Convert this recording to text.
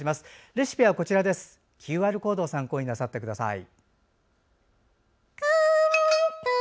レシピはＱＲコードを参考になさってください。